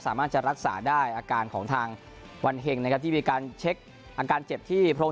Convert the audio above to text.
สามารถจะรักษาได้อาการของทางวันเฮงนะครับที่มีการเช็คอาการเจ็บที่โพรง